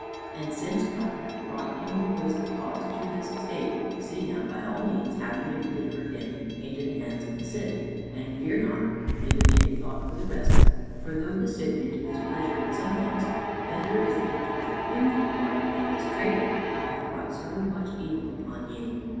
And since God hath brought him who was the cause to this state, see now by all means how ye may deliver him into the hands of the Cid; and fear not, neither take thought for the rest; for though the Cid may do his pleasure in some things, better is it to have him for lord than this traitor who hath brought so much evil upon ye.